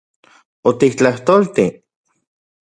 ¿Otiktlajtolti...?